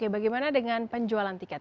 bagaimana dengan penjualan tiket